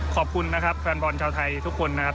ขอบคุณนะครับแฟนบอลชาวไทยทุกคนนะครับ